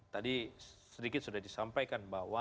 tadi sedikit sudah disampaikan bahwa